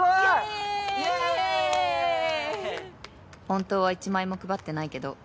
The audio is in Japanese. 本当は一枚も配ってないけど